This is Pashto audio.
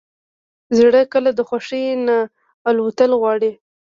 زړه کله د خوښۍ نه الوتل غواړي.